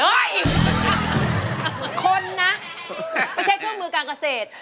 เห้ยคนนะไม่ใช่คู่มือการเกษตร